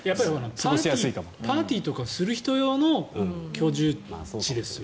パーティーとかする人用の居住地ですよ。